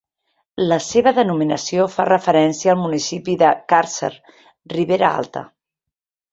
La seva denominació fa referència al municipi de Càrcer, Ribera Alta.